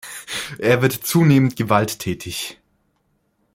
Er wird zunehmend gewalttätig.